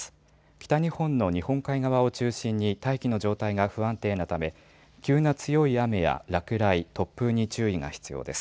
北日本の日本海側を中心に大気の状態が不安定なため急な強い雨や落雷、突風に注意が必要です。